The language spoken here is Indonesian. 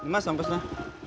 mas sampai setelah